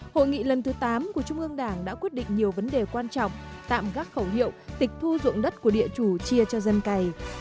hội nghị lần thứ tám của trung ương đảng đã quyết định nhiều vấn đề quan trọng tạm gác khẩu hiệu tịch thu dụng đất của địa chủ chia cho dân cày